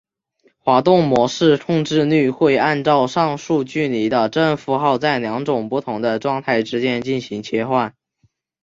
滑动模式控制律会依照上述距离的正负号在二种不同的状态之间进行切换。